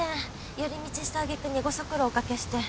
寄り道した揚げ句にご足労おかけして。